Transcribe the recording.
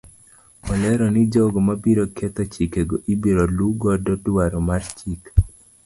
Olero ni jogo mabiro ketho chike go ibiro luu godo dwaro mar chik.